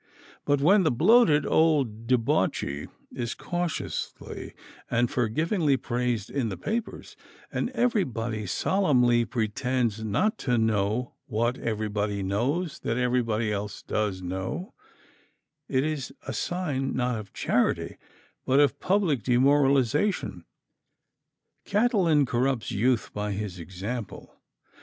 But when the bloated old debauchee is cautiously and forgivingly praised in the papers, and everybody solemnly pretends not to know what everybody knows that everybody else does know, it is a sign not of charity, but of public demoralization. Catiline corrupts youth by his example.